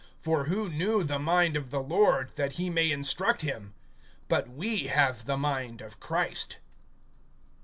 (16)For who knew the mind of the Lord, that he may instruct him? But we have the mind of Christ.